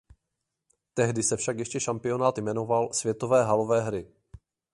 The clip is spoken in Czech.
Tehdy se však ještě šampionát jmenoval Světové halové hry.